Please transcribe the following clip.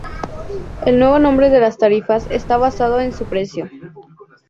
El nuevo nombre de las tarifas está basado en su precio.